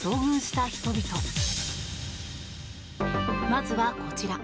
まずはこちら。